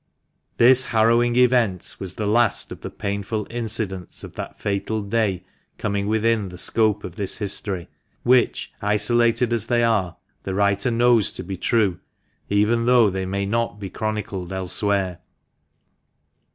This harrowing event was the last of the painful incidents of that fatal day coming within the scope of this history, which, isolated as they are, the writer knows to be true, even though they may not be chronicled elsewhere.